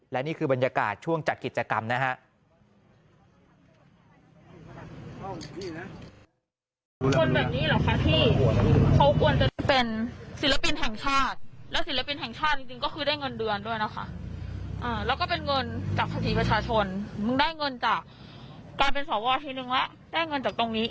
และนี่คือบรรยากาศช่วงจัดกิจกรรมนะฮะ